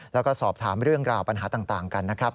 แล้วก็สอบถามเรื่องราวปัญหาต่างกันนะครับ